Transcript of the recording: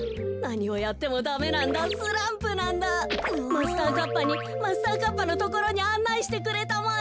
マスターカッパーにマスターカッパーのところにあんないしてくれたまえ。